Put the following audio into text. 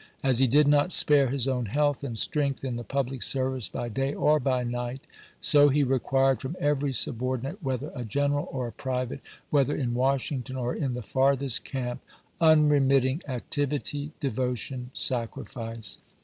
As he did not spare his own health and strength in the public service by day or by night, so he required from every subordinate, whether a general or a private, whether in Washington or in the farthest camp, unremitting activity, devotion, sacrifice.